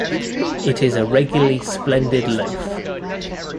It is a regularly splendid loaf!